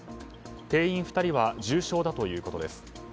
店員２人は重傷だということです。